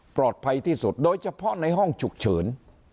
ปลอดภัยที่สุดโดยเฉพาะในห้องฉุกชืน